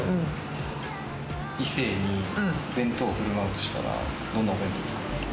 異性に弁当を振る舞うとしたらどんな弁当ですか？